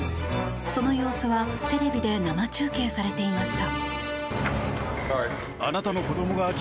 その様子はテレビで生中継されていました。